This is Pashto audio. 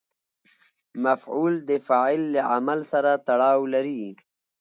مفعول د فاعل له عمل سره تړاو لري.